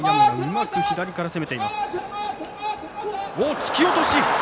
突き落とし。